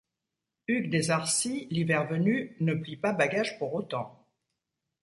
Hugues des Arcis, l’hiver venu, ne plie pas bagages pour autant.